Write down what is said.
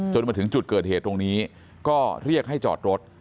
มาถึงจุดเกิดเหตุตรงนี้ก็เรียกให้จอดรถ